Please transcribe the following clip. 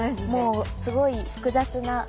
もうすごい複雑な。